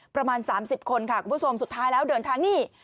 ประมาณ๓๐คนค่ะคุณผู้ชมสุดท้ายแล้วเดินทางนี่